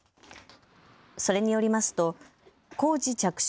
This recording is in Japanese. それによりますと工事着手